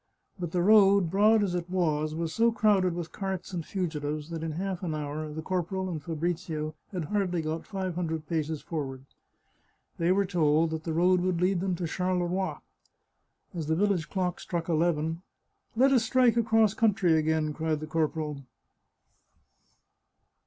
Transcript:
But the road, broad as it was, was so crowded with carts and fugitives that in half an hour the corporal and Fabrizio had hardly got five hundred paces forward. They were told that the road would lead them to Charleroi. As the village clock struck eleven —" Let us strike across country again," cried the cor poral.